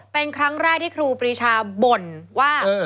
เป็นครั้งแรกที่ครูปรีชาบ่นว่า